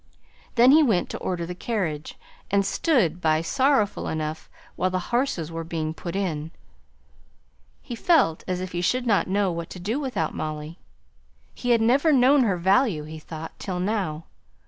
Then he went to order the carriage, and stood by sorrowful enough while the horses were being put in. He felt as if he should not know what to do without Molly; he had never known her value, he thought, till now.